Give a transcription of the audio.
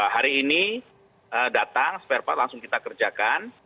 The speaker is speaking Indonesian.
hari ini datang sempat langsung kita kerjakan